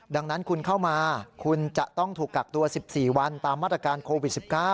ดังนั้นคุณเข้ามาคุณจะต้องถูกกักตัว๑๔วันตามมาตรการโควิด๑๙